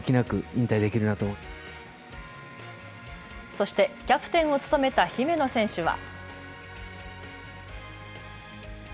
そしてキャプテンを務めた姫野選手は。